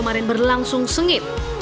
pemain berlangsung sengit